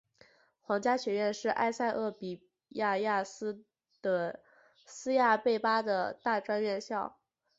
皇家学院是埃塞俄比亚亚的斯亚贝巴的大专院校。